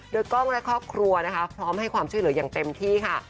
โดยกล้องและครอบครัวนะคะพร้อมให้ความช่วยเหลืออย่างเต็มที่ค่ะ